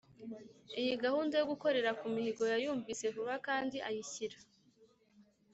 Iyi gahunda yo gukorera ku mihigo yayumvise vuba kandi ayishyira